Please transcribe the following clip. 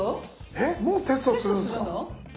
えっもうテストするんすか？